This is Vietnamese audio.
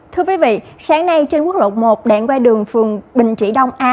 thưa quý vị sáng nay trên quốc lộ một đoạn qua đường phường bình trị đông a